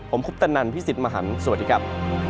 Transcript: ผมคุปตะนันพี่สิทธิ์มหันฯสวัสดีครับ